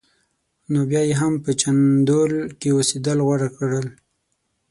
نو بیا یې هم په جندول کې اوسېدل غوره کړل.